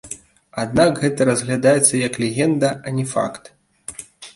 Аднак гэта разглядаецца як легенда, а не факт.